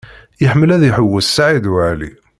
Iḥemmel ad iḥewwes Saɛid Waɛli.